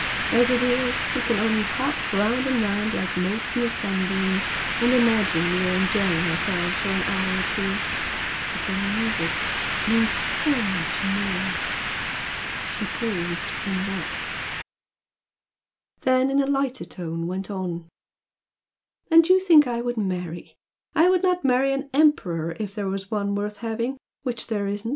as it is, we can only hop round and round like motes in a sunbeam and imagine we are enjoying ourselves for an hour or two! But the music means so much more!" She paused, enrapt; then in a lighter tone went on "And you think I would marry? I would not marry an emperor if there were one worth having which there isn't!